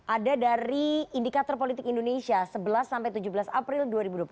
ada dari indikator politik indonesia sebelas tujuh belas april dua ribu dua puluh empat